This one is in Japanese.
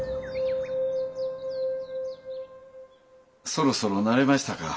そろそろ慣れましたか？